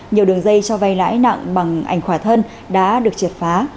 nhiều đường dây cho vay lãi nặng bằng ảnh khỏa thân đã được triệt phá